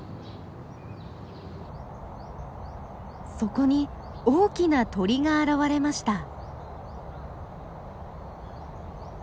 そこに大きな鳥が現れました。